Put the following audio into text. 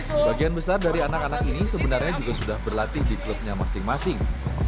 sebagian besar dari anak anak ini sebenarnya juga sudah berlatih di klubnya masing masing